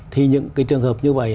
thì những cái trường hợp như vậy